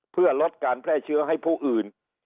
เพื่อลดการแพร่เชื้อให้ผู้อื่น